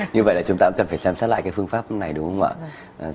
như vậy là chúng ta cũng cần phải xem xét lại cái phương pháp này đúng không ạ